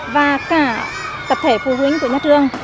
và cả tập thể phụ huynh của nhà trường